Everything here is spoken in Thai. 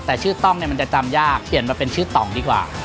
แต่ชื่อต้องเนี่ยมันจะจำยากเปลี่ยนมาเป็นชื่อต่องดีกว่า